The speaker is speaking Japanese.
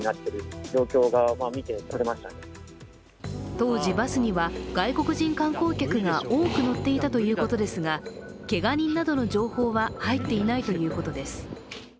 当時、バスには外国人観光客が多く乗っていたということですがけが人などの情報は入っていないということです。